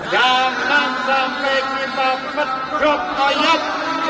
jangan sampai kita mencukup toyot